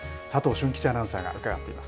俊吉アナウンサーが伺っています。